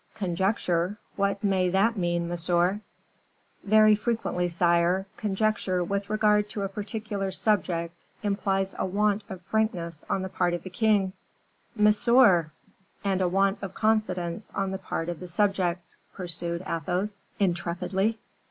"Conjecture! What may that mean, monsieur?" "Very frequently, sire, conjecture with regard to a particular subject implies a want of frankness on the part of the king " "Monsieur!" "And a want of confidence on the part of the subject," pursued Athos, intrepidly.